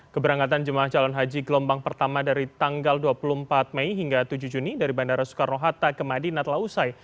keberangkatan jemaah calon haji gelombang pertama dari tanggal dua puluh empat mei hingga tujuh juni dari bandara soekarno hatta ke madinah telah usai